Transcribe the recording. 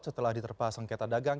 setelah diterpas angketan dagang